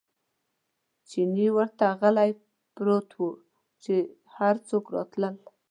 چیني ورته غلی پروت و، چې هر څوک راتلل.